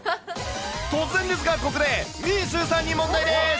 突然ですが、ここでみーすーさんに問題です。